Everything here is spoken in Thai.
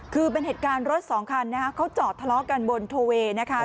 คือเป็นเหตุการณ์รถสองคันนะคะเขาจอดทะเลาะกันบนโทเวย์นะคะ